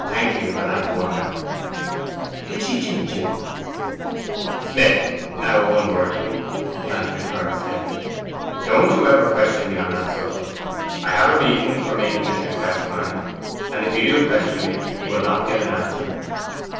'Thank you for that wonder.' 'Did she jilt you?' 'Smith, now one word to you,' Knight returned steadily. 'Don't you ever question me on that subject. I have a reason for making this request, mind. And if you do question me, you will not get an answer.